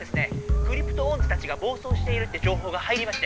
クリプトオンズたちが暴走しているってじょうほうが入りまして。